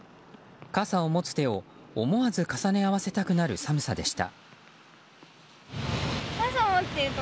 傘を持つ手を思わず重ね合わせたくなる寒さでした。